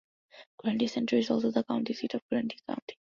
Grundy Center is also the county seat of Grundy County.